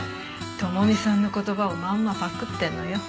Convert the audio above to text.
朋美さんの言葉をまんまパクってるのよ。